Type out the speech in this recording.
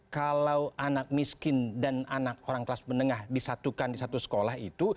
kalau anak miskin dan anak orang kelas menengah disatukan di satu sekolah itu